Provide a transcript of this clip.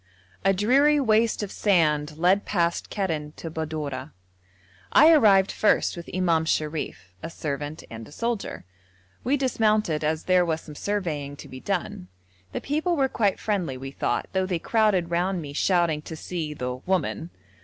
A dreary waste of sand led past Kerren to Badorah. I arrived first with Imam Sharif, a servant, and a soldier. We dismounted, as there was some surveying to be done. The people were quite friendly, we thought, though they crowded round me shouting to see the 'woman.'